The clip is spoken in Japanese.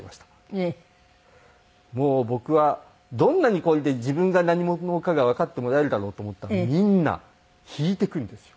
もう僕はどんなにこれで自分が何者かがわかってもらえるだろうと思ったらみんな引いていくんですよ。